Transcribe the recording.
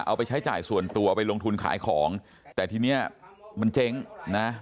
เอาไปใช้จ่ายส่วนตัวไปลงทุนขายของแต่ทีเนี้ยมันเจ๊งนะ